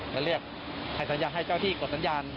และเรียกให้สัญญาให้เจ้าที่กดสัญญาณ